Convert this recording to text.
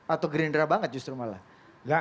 atau gerindra banget justru malah